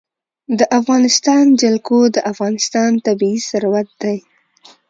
د افغانستان جلکو د افغانستان طبعي ثروت دی.